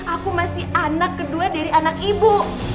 aku masih anak kedua dari anak ibu